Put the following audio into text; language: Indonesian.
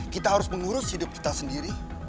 kita harus mengurus hidup kita sendiri